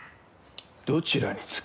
どちらにつく？